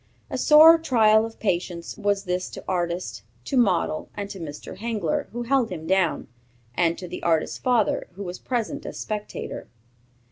A sore trial of patience was this to artist, to model, to Mr. Hengler, who held him down, and to the artist's father, who was present as spectator.